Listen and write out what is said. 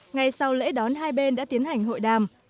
ngay sau lễ đón hai bên đã tiến hành hội đàm